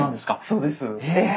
そうです。え！